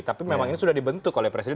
tapi memang ini sudah dibentuk oleh presiden